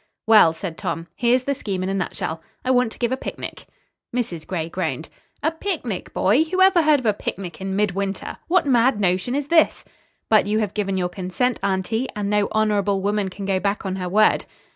"Well," said Tom, "here's the scheme in a nutshell. I want to give a picnic." Mrs. Gray groaned. "A picnic, boy? Whoever heard of a picnic in mid winter. What mad notion is this?" "But you have given your consent, aunty, and no honorable woman can go back on her word."